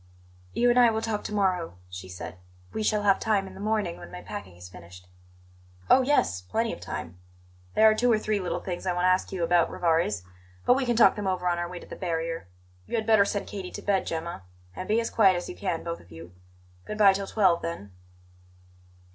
"You and I will talk to morrow," she said. "We shall have time in the morning, when my packing is finished." "Oh, yes! Plenty of time. There are two or three little things I want to ask you about, Rivarez; but we can talk them over on our way to the barrier. You had better send Katie to bed, Gemma; and be as quiet as you can, both of you. Good bye till twelve, then."